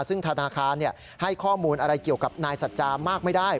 ซึ่งธนาคารให้ข้อมูลอะไรเกี่ยวกับนายสัจจามากไม่ได้